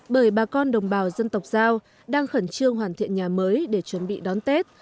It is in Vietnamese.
bởi bà con đồng bào dân tộc giao đang khẩn trương hoàn thiện nhà mới để chuẩn bị đón tết